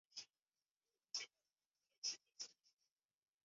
还有斑蝥，倘若用手指按住它的脊梁，便会啪的一声，从后窍喷出一阵烟雾